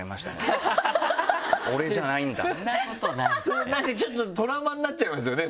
それなんかちょっとトラウマになっちゃいますよね？